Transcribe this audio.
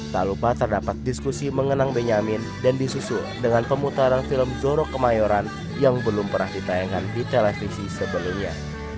tak lupa terdapat diskusi mengenang benyamin dan disusul dengan pemutaran film zoro kemayoran yang belum pernah ditayangkan di televisi sebelumnya